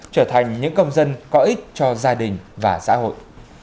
trở thành những công dân có ích cho gia đình và xã hội